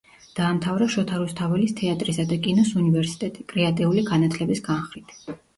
დაამთავრა შოთა რუსთაველის თეატრისა და კინოს უნივერსიტეტი, კრეატიული განათლების განხრით.